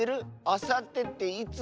あさってっていつ？